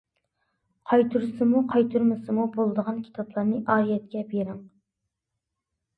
قايتۇرسىمۇ، قايتۇرمىسىمۇ بولىدىغان كىتابلارنى ئارىيەتكە بېرىڭ.